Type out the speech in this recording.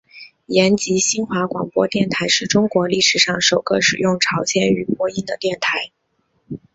延吉新华广播电台是中国历史上首个使用朝鲜语播音的电台。